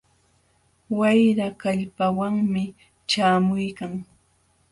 Wayra kallpawanmi ćhaamuykan.